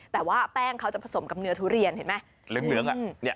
แต่ว่าแป้งเขาจะผสมกับเนื้อทุเรียนเห็นไหมเหลือง